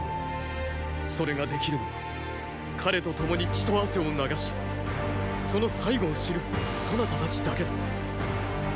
それができるのは彼と共に血と汗を流しその最期を知るそなたたちだけだ。